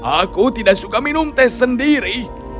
aku tidak suka minum teh sendiri